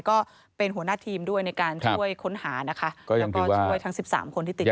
ก็เป็นหัวหน้าทีมด้วยในการช่วยค้นหานะคะแล้วก็ช่วยทั้ง๑๓คนที่ติด